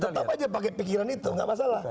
tetap aja pakai pikiran itu nggak masalah